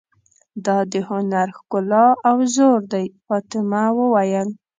دا د هنر ښکلا او زور دی، فاطمه وویل.